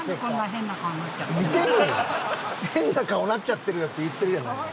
「変な顔になっちゃってるよ」って言ってるやないのよ。